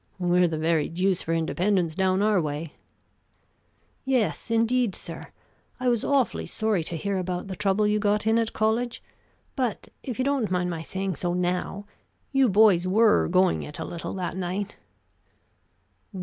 "We're the very deuce for independence down our way." "Yes, indeed, sir. I was awfully sorry to hear about the trouble you got in at college; but, if you don't mind my saying so now, you boys were going it a little that night."